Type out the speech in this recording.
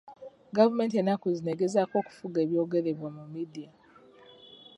Gavumenti ennaku zino egezaako okufuga eby'ogerebwa mu midiya.